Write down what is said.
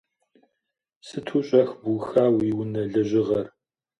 Сыту щӏэх быуха уи унэ лъэжьыгъэр.